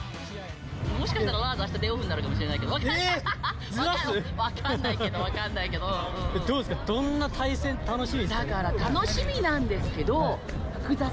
もしかしたらラーズ、あしたデイ・オフになるかもしれないけど、分かんないけど、分かどうですか、どんな対戦、楽だから楽しみなんですけど、複雑？